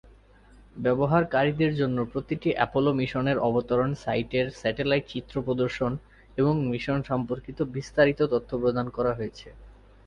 ব্যবহারকারীদের জন্য প্রতিটি অ্যাপোলো মিশনের অবতরণ সাইটের স্যাটেলাইট চিত্র প্রদর্শন এবং মিশন সম্পর্কিত বিস্তারিত তথ্য প্রদান করা হয়েছে।